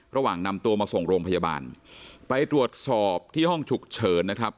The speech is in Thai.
ระหว่างนำตัวมาส่งโรงพยาบาลไปตรวจสอบที่ห้องฉุกเฉินนะครับ